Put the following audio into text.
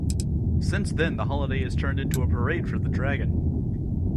Since then, the holiday has turned into a parade for the dragon.